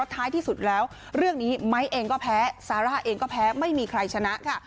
ท้ายที่สุดแล้วเรื่องนี้ไม้เองก็แพ้ซาร่าเองก็แพ้ไม่มีใครชนะค่ะ